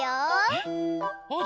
えっ！